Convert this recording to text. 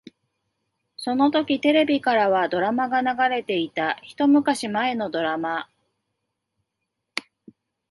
そのときテレビからはドラマが流れていた。一昔前のドラマ。